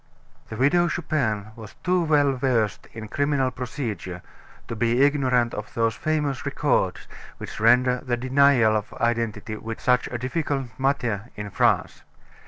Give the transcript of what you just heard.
The Widow Chupin was too well versed in criminal procedure to be ignorant of those famous records which render the denial of identity such a difficult matter in France.